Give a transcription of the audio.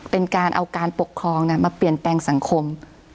เป็นการเอาการปกครองมาเปลี่ยนแปลงสังคม